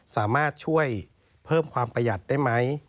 สามารถช่วยเพิ่มความประหยัดได้ไหม